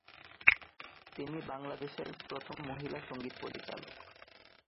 তিনি বাংলাদেশের প্রথম মহিলা সংগীত পরিচালক।